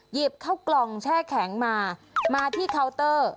หยิบเข้ากล่องแช่แข็งมามาที่เคาน์เตอร์